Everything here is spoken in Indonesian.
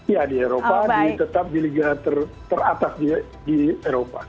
ya di eropa tetap di liga teratas di eropa